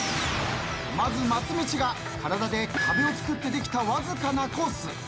まず松道が体で壁をつくってできたわずかなコース。